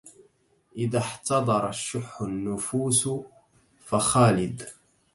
إذا احتضر الشح النفوس فخالد